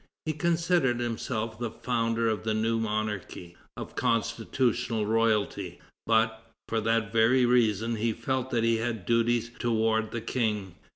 He considered himself the founder of the new monarchy, of constitutional royalty; but, for that very reason, he felt that he had duties toward the King.